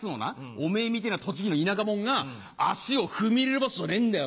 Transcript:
おめぇみてぇな栃木の田舎者が足を踏み入れる場所じゃねえんだよ